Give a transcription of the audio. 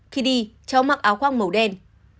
khi đi cháu mặc áo khoác màu đen